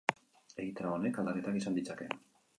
Egitarau honek aldaketak izan ditzake.